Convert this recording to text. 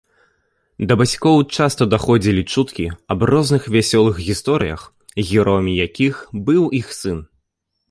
Да бацькоў часта даходзілі чуткі аб розных вясёлых гісторыях, героем якіх быў іх сын.